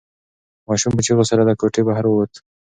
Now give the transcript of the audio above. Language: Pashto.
ماشوم په چیغو سره له کوټې بهر ووت.